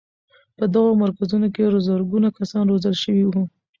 په دغو مرکزونو کې زرګونه کسان روزل شوي وو.